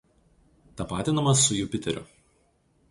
Tapatinamas su Jupiteriu.